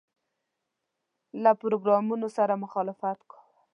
له پروګرامونو سره مخالفت کاوه.